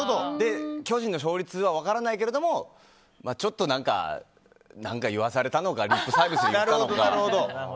巨人の勝率は分からないけれどもちょっと、言わされたのかリップサービスだったのか。